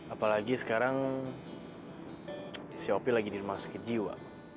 apalagi sekarang si opi lagi di rumah sakit jiwa